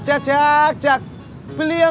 jangan gunakan wyni paham